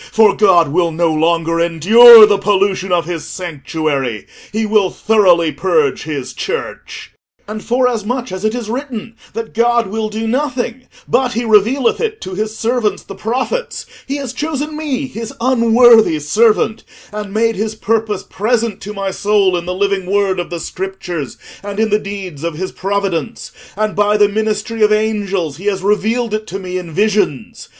For God will no longer endure the pollution of his sanctuary; he will thoroughly purge his Church. "And forasmuch as it is written that God will do nothing but he revealeth it to his servants the prophets, he has chosen me, his unworthy servant, and made his purpose present to my soul in the living word of the Scriptures, and in the deeds of his providence; and by the ministry of angels he has revealed it to me in visions.